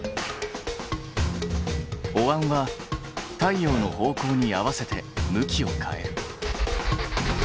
おわんは太陽の方向に合わせて向きを変える。